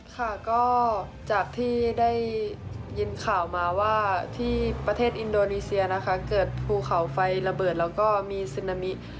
ค่ะก็จากที่ได้ยินข่าวมาว่าที่ประเทศอินโดนีเซียนะคะเกิดภูเขาไฟระเบิดแล้วก็มีซึนามิ